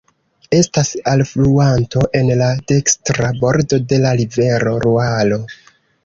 Estas alfluanto en la dekstra bordo de la rivero Luaro.